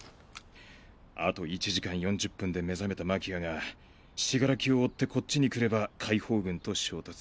あと１時間４０分で目覚めたマキアが死柄木を追ってこっちにくれば解放軍と衝突。